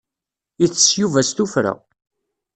Itess Yuba s tuffra.